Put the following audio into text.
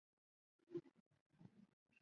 该寺以其训养的能够跳圈的猫而闻名。